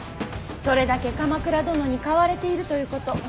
それだけ鎌倉殿に買われているということ。